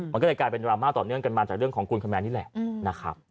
มันก็เลยกลายเป็นดราม่าต่อเนื่องกันมาจากเรื่องของคุณแมนนี่แหละนะครับ